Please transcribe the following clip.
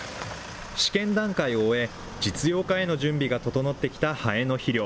試験段階を終え、実用化への準備が整ってきたハエの肥料。